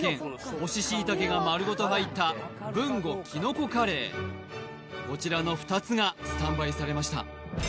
干し椎茸が丸ごと入ったこちらの２つがスタンバイされました